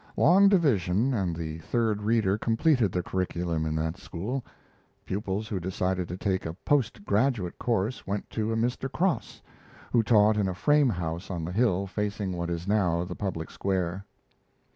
Long division and the third reader completed the curriculum in that school. Pupils who decided to take a post graduate course went to a Mr. Cross, who taught in a frame house on the hill facing what is now the Public Square.